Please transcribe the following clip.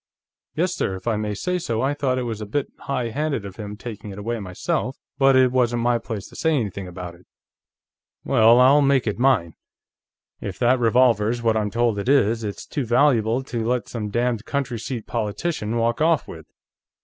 "Yes, sir. If I may say so, I thought it was a bit high handed of him, taking it away, myself, but it wasn't my place to say anything about it." "Well, I'll make it mine. If that revolver's what I'm told it is, it's too valuable to let some damned county seat politician walk off with."